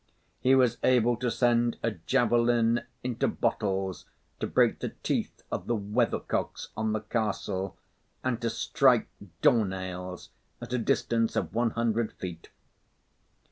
He was able to send a javelin into bottles, to break the teeth of the weather cocks on the castle and to strike door nails at a distance of one hundred feet.